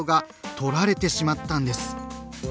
とられてしまったんです。